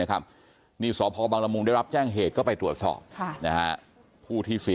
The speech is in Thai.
เราได้รับแจ้งเหตุไปตรวจสอบ